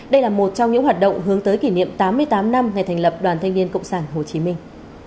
đây là một trong những hoạt động hướng tới kỷ niệm tám mươi tám năm ngày thành lập đoàn thanh niên cộng sản hồ chí minh